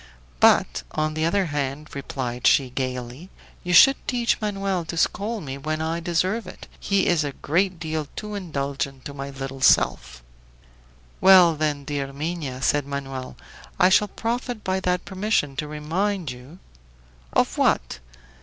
"But, on the other hand," replied she, gayly, "you should teach Manoel to scold me when I deserve it. He is a great deal too indulgent to my little self." "Well, then, dear Minha," said Manoel, "I shall profit by that permission to remind you " "Of what?"